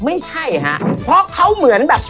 ไม่ใช่ฮะเพราะเขาเหมือนแบบ